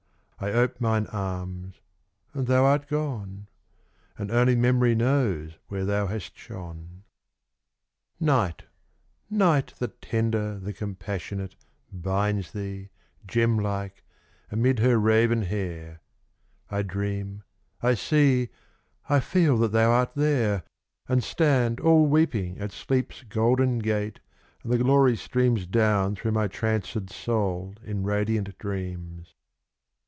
I ope mine arms, and thou art gone, And only Memory knows where thou hast shone. Night Night the tender, the compassionate, Binds thee, gem like, amid her raven hair; I dream I see I feel that thou art there And stand all weeping at Sleep's golden gate, Till the leaves open, and the glory streams Down through my trancèd soul in radiant dreams.